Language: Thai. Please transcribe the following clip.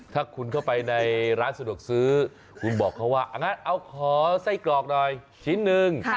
ถ้าคุณเข้าไปในร้านสะดวกซื้อคุณบอกเขาว่างั้นเอาขอไส้กรอกหน่อยชิ้นหนึ่ง